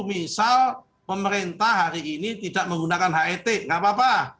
misal pemerintah hari ini tidak menggunakan het nggak apa apa